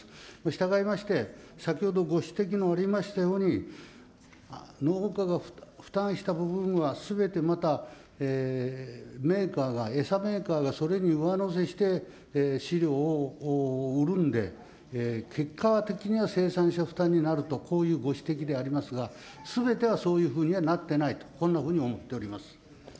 したがいまして、先ほどご指摘のありましたように、農家が負担した部分は、すべてまたメーカーが、餌メーカーがそれに上乗せして飼料を売るんで、結果的には生産者負担になると、こういうご指摘でありますが、すべてはそういうふうにはなってないと、こんなふうに思っておりま